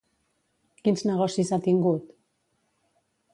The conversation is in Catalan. Quins negocis ha tingut?